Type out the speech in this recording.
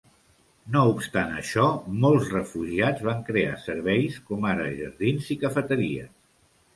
No obstant això, molts refugiats van crear serveis com ara jardins i cafeteries.